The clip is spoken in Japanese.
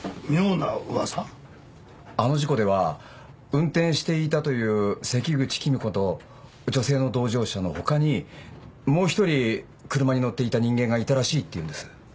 あの事故では運転していたという関口君子と女性の同乗者の他にもう１人車に乗っていた人間がいたらしいっていうんです。